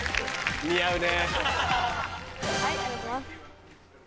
似合うね。